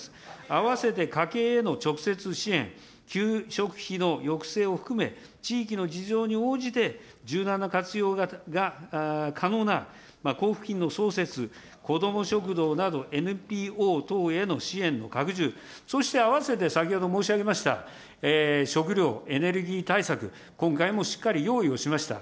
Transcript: あわせて家計への直接支援、給食費の抑制を含め、地域の事情に応じて、柔軟な活用が可能な交付金の創設、こども食堂などＮＰＯ等への支援の拡充、そして併せて、先ほど申し上げました食料・エネルギー対策、今回もしっかり用意をしました。